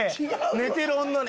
寝てる女に。